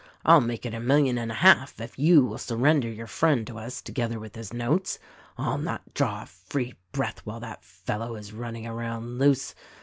I'll make it a million and a half if you will surrender your friend to us together with his notes. I'll not draw a free breath while that fellow is running around loose.